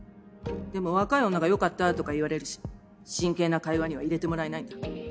でも若い女がよかったとか言われるし真剣な会話には入れてもらえないんだ。